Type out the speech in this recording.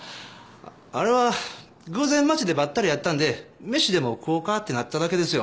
あれは偶然街でばったり会ったんで飯でも食おうかってなっただけですよ。